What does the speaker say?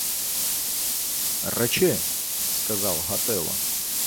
— Речи, — сказав Гатило.